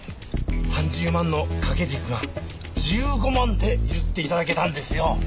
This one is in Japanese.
３０万の掛け軸が１５万で譲って頂けたんですよ。